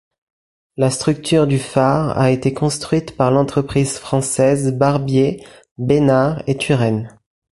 La structure du phare a été construite par l'entreprise française Barbier, Bénard et Turenne.